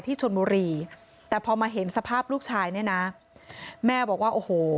ชนบุรีแต่พอมาเห็นสภาพลูกชายเนี่ยนะแม่บอกว่าโอ้โห